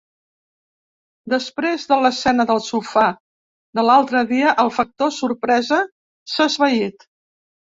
Després de l'escena del sofà de l'altre dia, el factor sorpresa s'ha esvaït.